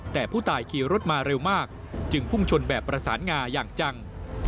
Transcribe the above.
แต่ผู้ตายขี่รถมาเร็วมากจึงพุ่งชนแบบประสานงาอย่างจัง